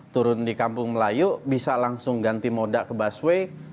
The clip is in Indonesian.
turun di kampung melayu bisa langsung ganti moda ke busway